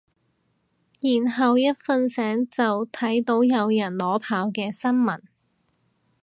然後一瞓醒就睇到有人裸跑嘅新聞